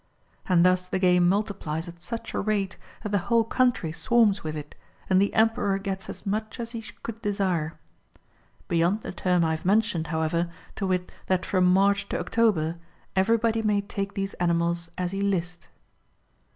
And thus the game multiplies at such a rate that the whole country swarms with it, and the Emperor gets as much as he could desire. Beyond the term I have mentioned, how ever, to wit that from March to October, everybody may take these animals as he list.